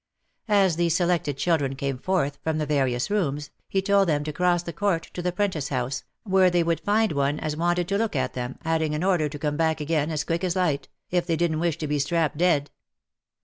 As the selected chil dren came forth from the various rooms, he told them to cross the court to the 'prentice house, where they would find one as wanted to look at them, adding an order to come back again as quick as light, " if they didn't wish to be strapped dead."